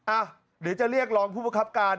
เดี๋ยวจะเรียกรองผู้ประคับการ